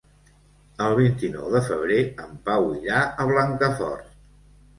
El vint-i-nou de febrer en Pau irà a Blancafort.